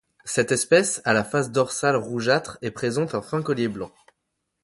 Cette espèce a la face dorsale rougeâtre et présente un fin collier blanc.